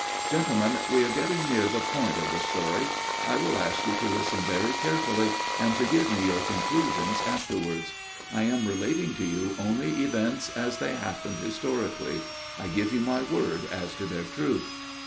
" Gentlemen, we are getting near the point of the story. I will ask you to listen very carefully and to give me your conclusions afterwards. I am relating to you only events, as they happened historically. I give you my word as to their truth."